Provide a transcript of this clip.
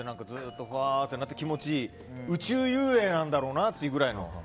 ふわーっとなって気持ちいい宇宙遊泳なんだろうなっていうぐらいの。